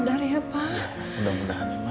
mudah mudahan ya pak